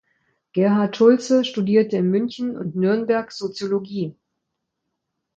Gerhard Schulze studierte in München und Nürnberg Soziologie.